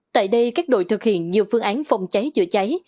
tại đây các đội thực hiện nhiều phương án phòng cháy chữa cháy